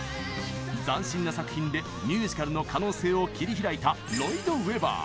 斬新な作品でミュージカルの可能性を切り開いたロイド＝ウェバー。